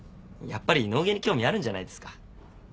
やっぱり脳外に興味あるんじゃないですか。